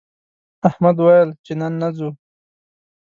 احمد ویل چې نن نه ځو